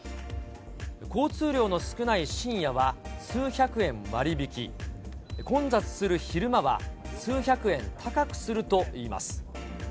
交通量の少ない深夜は数百円割り引き、混雑する昼間は数百円高くするといいます。